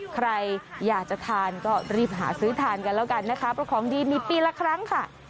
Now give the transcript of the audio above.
ใครอยากจะทานก็รีบหาซื้อทานกันแล้วกันนะคะเพราะของดีมีปีละครั้งค่ะ